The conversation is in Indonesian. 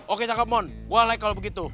oke cakep mon gue like kalau begitu